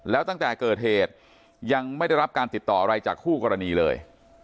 แล้วตั้งแต่เกิดเหตุยังไม่ได้รับการติดต่ออะไรจากคู่กรณีเลย